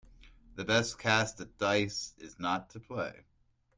The best cast at dice is not to play.